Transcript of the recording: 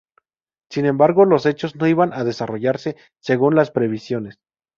Sin embargo los hechos no iban a desarrollarse según las previsiones.